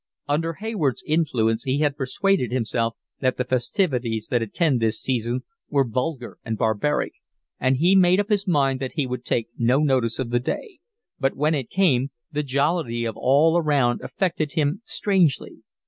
Under Hayward's influence he had persuaded himself that the festivities that attend this season were vulgar and barbaric, and he made up his mind that he would take no notice of the day; but when it came, the jollity of all around affected him strangely.